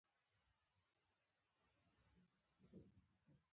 _نو دا د کليو سړکونه ولې د سيمې خلک نه جوړوي؟